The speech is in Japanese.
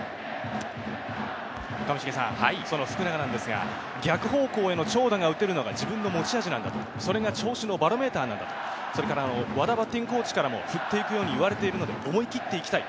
福永なんですが、逆方向への長打が打てるのが自分の持ち味なんだと、それが調子のバロメーターなんだと、和田バッティングコーチからも振っていくように言われているので、思い切っていきたい。